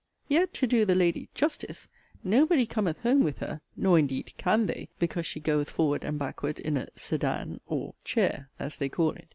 Yet to do the lady 'justice,' nobody cometh home with her: nor indeed 'can' they, because she goeth forward and backward in a 'sedan,' or 'chair,' (as they call it).